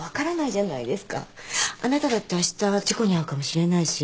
あなただってあした事故に遭うかもしれないし。